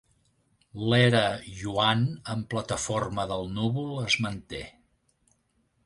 L'era Yuan en plataforma del núvol es manté.